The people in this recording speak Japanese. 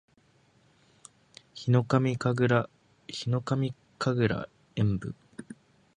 ヒノカミ神楽円舞（ひのかみかぐらえんぶ）